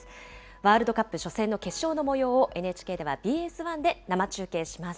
ワールドカップ初戦の決勝のもようをＮＨＫではＢＳ１で生中継します。